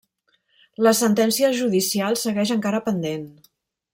La sentència judicial segueix encara pendent.